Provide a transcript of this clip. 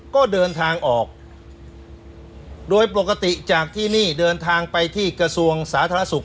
ก็เดินทางออกโดยปกติจากที่นี่เดินทางไปที่กระทรวงสาธารณสุข